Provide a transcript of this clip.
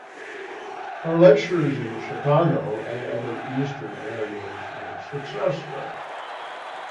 Her lectures in Chicago and other Eastern areas were successful.